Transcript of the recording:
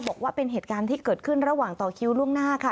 บอกว่าเป็นเหตุการณ์ที่เกิดขึ้นระหว่างต่อคิวล่วงหน้าค่ะ